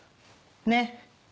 ねっ？